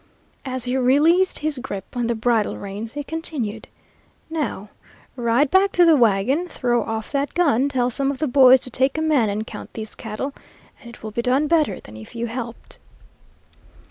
"As he released his grip on the bridle reins, he continued, 'Now ride back to the wagon, throw off that gun, tell some of the boys to take a man and count these cattle, and it will be done better than if you helped.'